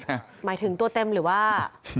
หมายถึงตัวเต็มหรือว่า